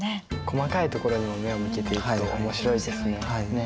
細かいところにも目を向けていくと面白いですね。ね？